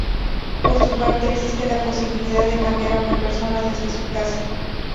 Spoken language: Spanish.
Por su parte, existe la posibilidad de cambiar a una persona desde su casa.